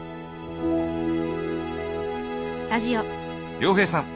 亮平さん。